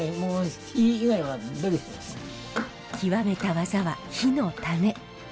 極めた技は杼のため。